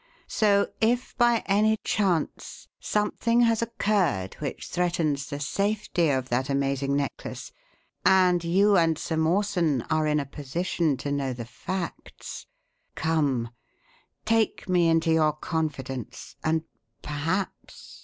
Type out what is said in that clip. So, if by any chance, something has occurred which threatens the safety of that amazing necklace and you and Sir Mawson are in a position to know the facts Come! Take me into your confidence, and perhaps!